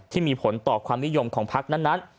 ที่มีผลต่อความนิยมของพักนั้น